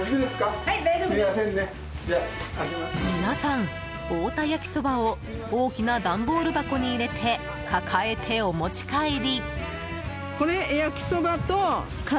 皆さん、太田焼きそばを大きな段ボール箱に入れて抱えて、お持ち帰り。